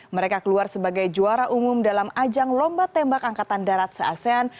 mereka keluar sebagai juara umum dalam ajang lomba tembak angkatan darat se asean